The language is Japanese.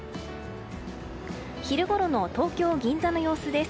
昼ごろの東京・銀座の様子です。